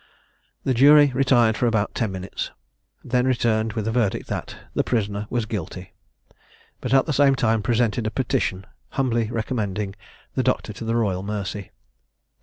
The jury retired for about ten minutes, and then returned with a verdict that "the prisoner was guilty;" but at the same time presented a petition, humbly recommending the doctor to the royal mercy.